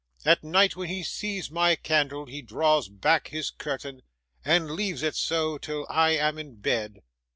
At night, when he sees my candle, he draws back his curtain, and leaves it so, till I am in bed.